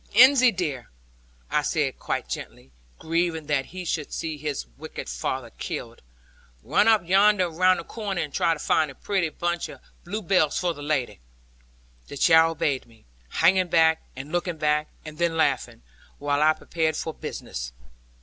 'Ensie, dear,' I said quite gently, grieving that he should see his wicked father killed, 'run up yonder round the corner and try to find a pretty bunch of bluebells for the lady.' The child obeyed me, hanging back, and looking back, and then laughing, while I prepared for business.